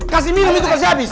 kasih minum itu kasih habis